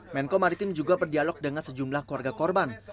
menko maritim juga berdialog dengan sejumlah keluarga korban